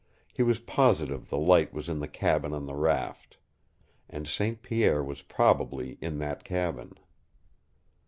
He was positive the light was in the cabin on the raft. And St. Pierre was probably in that cabin.